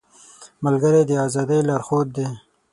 ملګری د ازادۍ لارښود دی